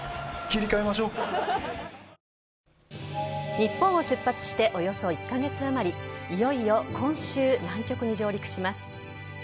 日本を出発しておよそ１か月余り、いよいよ今週、南極に上陸します。